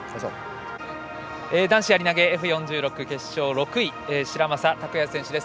男子やり投げＦ４６決勝６位白砂匠庸選手です。